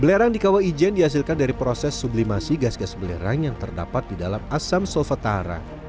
belerang di kawah ijen dihasilkan dari proses sublimasi gas gas belerang yang terdapat di dalam asam solvetara